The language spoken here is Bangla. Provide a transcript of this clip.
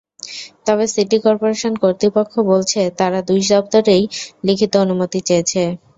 তবে সিটি করপোরেশন কর্তৃপক্ষ বলছে, তারা দুই দপ্তরেই লিখিত অনুমতি চেয়েছে।